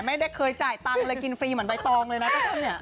ไม่ได้เคยจ่ายตังค์เลยกินฟรีเหมือนใบตองเลยนะเจ้าท่านเนี่ย